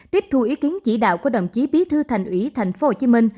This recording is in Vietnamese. tiếp thu ý kiến chỉ đạo của đồng chí bí thư thành ủy tp hcm